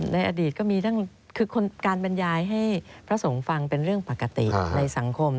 ในอดีตก็มีทั้งคือการบรรยายให้พระสงฆ์ฟังเป็นเรื่องปกติในสังคม